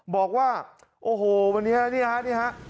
บอกว่าโอ้โหวันไหน